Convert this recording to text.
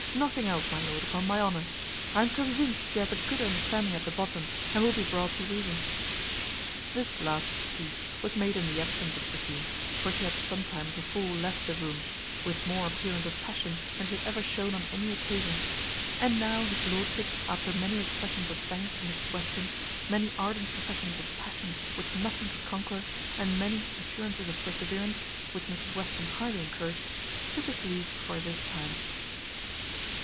Nothing else, my lord, upon my honour; I am convinced she hath a good understanding at the bottom, and will be brought to reason." This last speech was made in the absence of Sophia; for she had some time before left the room, with more appearance of passion than she had ever shown on any occasion; and now his lordship, after many expressions of thanks to Mrs Western, many ardent professions of passion which nothing could conquer, and many assurances of perseverance, which Mrs Western highly encouraged, took his leave for this time.